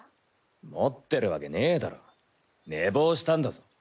持ってるわけねえだろ寝坊したんだぞ。